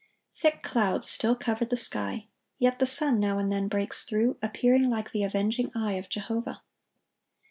Thick clouds still cover the sky; yet the sun now and then breaks through, appearing like the avenging eye of Jehovah.